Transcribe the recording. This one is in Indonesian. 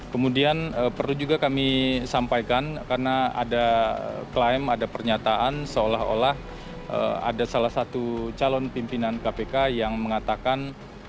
kemudian perlu juga kami sampaikan karena ada klaim ada pernyataan seolah olah ada salah satu calon pimpinan kpk yang mengatakan